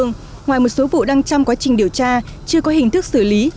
ngoài một số vụ đang chăm quá trình điều tra chưa có hình thức xử lý